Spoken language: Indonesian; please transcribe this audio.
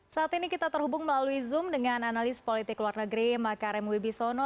saat ini kita terhubung melalui zoom dengan analis politik luar negeri makarem wibisono